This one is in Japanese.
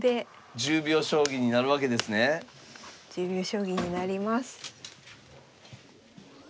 １０秒将棋になります。